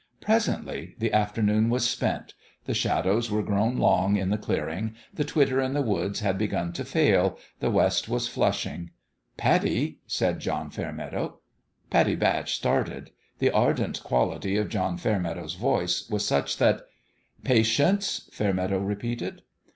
Presently the afternoon was spent : the shadows were grown long in the clearing, the twitter in the woods had begun to fail, the west was flushing. LABOUR 351 " Pattie !" said John Fairmeadow. Pattie Batch started : the ardent quality of John Fairmeadow's voice was such that " Patience 1 " Fairmeadow repeated.